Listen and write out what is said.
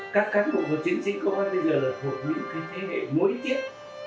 các cán bộ của chiến sĩ công an bây giờ là thuộc những thế hệ mối tiết